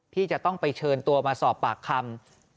ที่จะต้องไปเชิญตัวมาสอบปากคำ